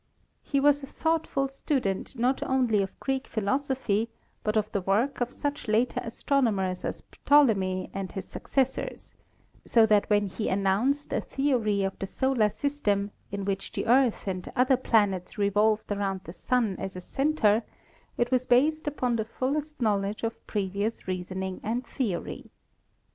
He was a thoughtful student not only of Greek philosophy but of the work of such later astronomers as Ptolemy and his successors, so that when he announced a theory of the solar system in EVOLUTION OF IDEAS 9 which the Earth and other planets revolved around the Sun as a center, it was based upon the fullest knowledge of previous reasoning and theory.